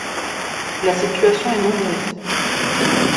La situation est mauvaise.